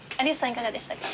いかがでしたか？